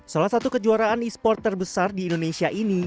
salah satu kejuaraan e sport terbesar di indonesia ini